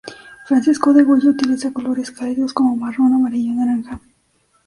Francisco de Goya utiliza colores cálidos como marrón, amarillo o naranja.